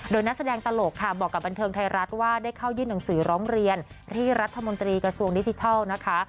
โดยนักแสดงตลกค่ะบอกกับบันเทิงไทยรัฐว่าได้เข้ายื่นหนังสือร้องเรียนที่รัฐมนตรีกระทรวงดิจิทัลนะคะ